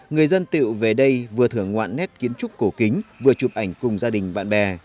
người dân tự về đây vừa thưởng ngoạn nét kiến trúc cổ kính vừa chụp ảnh cùng gia đình bạn bè